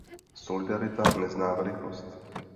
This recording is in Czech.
Solidarita nezná velikost.